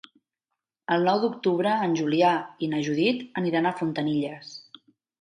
El nou d'octubre en Julià i na Judit aniran a Fontanilles.